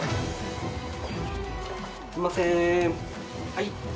はい。